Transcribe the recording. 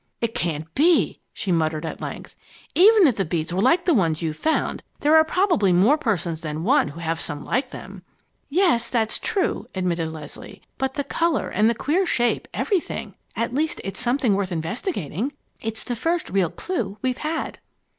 "It can't be!" she muttered at length. "Even if the beads were like the ones you found there are probably more persons than one who have some like them." "Yes, that's true," admitted Leslie, "but the color and queer shape everything! At least, it's something worth investigating. It's the first real clue we've had."